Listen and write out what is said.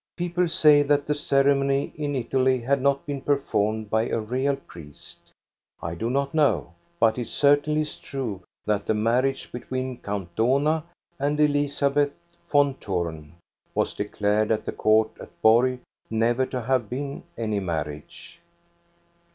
People say that the ceremony in Italy had not been performed by a real priest. I do not know, but it certainly is true that the marriage between Count Dohna and Elizabeth von Thurn was declared at the court at Borg never to have been any marriage.